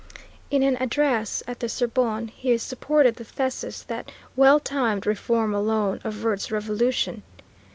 In an address at the Sorbonne he supported the thesis that "well timed reform alone averts revolution."